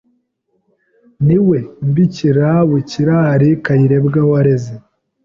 Ni we umbikira bukira Hari Kayirebwa wareze